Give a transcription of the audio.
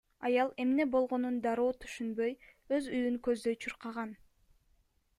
Аял эмне болгонун дароо түшүнбөй, өз үйүн көздөй чуркаган.